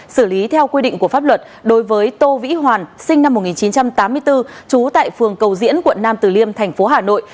xử lý theo quy định của pháp luật đối với tô vĩ hoàn sinh năm một nghìn chín trăm tám mươi bốn trú tại phường cầu diễn quận nam từ liêm thành phố hà nội